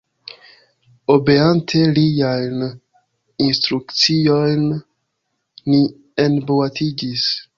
Obeante liajn instrukciojn, ni enboatiĝis.